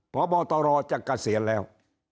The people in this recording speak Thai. พบตรจะเกษียณแล้ว